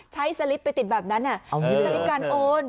สลิปไปติดแบบนั้นมีสลิปการโอน